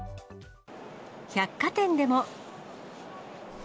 百貨店でも。